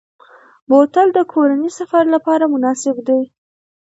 بوتل د کورنۍ سفر لپاره مناسب دی.